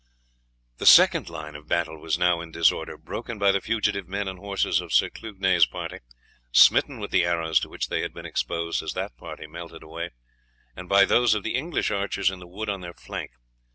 The second line of battle was now in disorder, broken by the fugitive men and horses of Sir Clugnet's party, smitten with the arrows to which they had been exposed as that party melted away, and by those of the English archers in the wood on their flank.